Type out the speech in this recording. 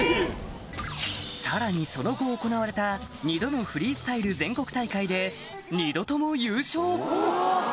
さらにその後行われた二度のフリースタイル全国大会で二度とも優勝！